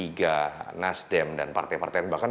bahkan pertanyaan mengenai pdip terhadap jokowi